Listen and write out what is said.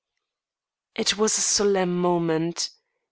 It was a solemn moment.